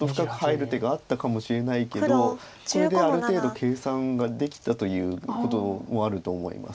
これである程度計算ができたということもあると思います。